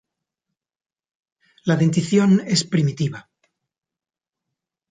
La dentición es primitiva.